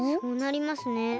そうなりますね。